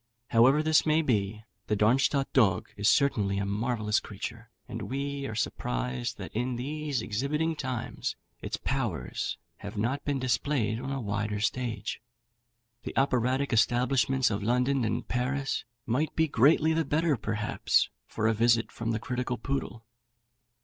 However this may be, the Darmstadt dog is certainly a marvellous creature, and we are surprised that, in these exhibiting times, its powers have not been displayed on a wider stage. The operatic establishments of London and Paris might be greatly the better, perhaps, for a visit from the critical Poodle.